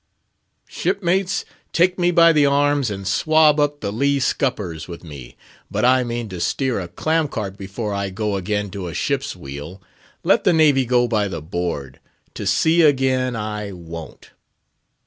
"Shipmates! take me by the arms, and swab up the lee scuppers with me, but I mean to steer a clam cart before I go again to a ship's wheel. Let the Navy go by the board—to sea again, I won't!"